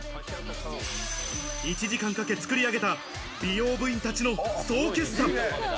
１時間かけ作り上げた美容部員たちの総決算。